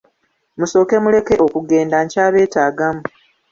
Musooke muleke okugenda nkyabeetaagamu.